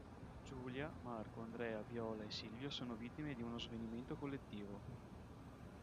Giulia, Marco, Andrea, Viola e Silvio sono vittime di uno svenimento collettivo.